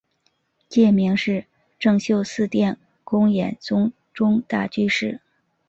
戒名是政秀寺殿功庵宗忠大居士。